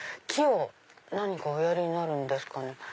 木を何かおやりになるんですかね。